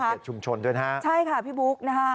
มีเกิดชุมชนด้วยนะคะใช่ค่ะพี่บุ๊คนะคะ